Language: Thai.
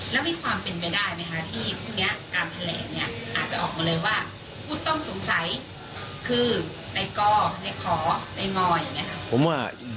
แล้วมีความเป็นไปได้ไหมคะที่พรุ่งนี้การแผนแหลกเนี่ย